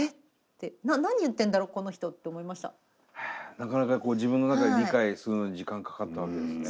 なかなかこう自分の中で理解するのに時間かかったわけですね。